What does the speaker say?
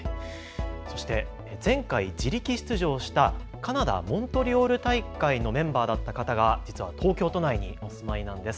そして前回、自力出場したカナダ・モントリオール大会のメンバーだった方が実は東京都内にお住まいなんです。